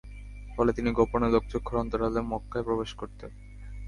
ফলে তিনি গোপনে, লোকচক্ষুর অন্তরালে মক্কায় প্রবেশ করতেন।